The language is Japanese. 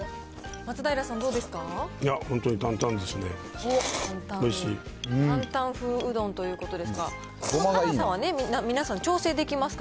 松平さんどうですか？